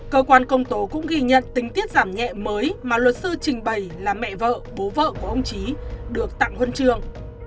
cơ quan công tố cũng ghi nhận tình tiết giảm nhẹ mới mà luật sư trình bày là mẹ vợ bố vợ của ông trí được tặng huân trường